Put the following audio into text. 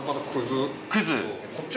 くず。